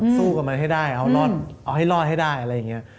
สู้กับมันให้ได้เอาให้รอดให้ได้อะไรอย่างนี้